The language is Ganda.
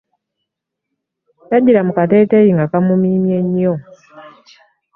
Yajjira mu kateeteeyi nga kamumiimye nnyo.